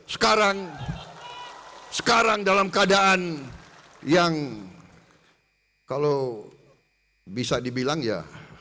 sekarang sekarang dalam keadaan yang kalau bisa dibilang ya